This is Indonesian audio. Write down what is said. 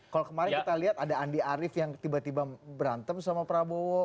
kalau kemarin kita lihat ada andi arief yang tiba tiba berantem sama prabowo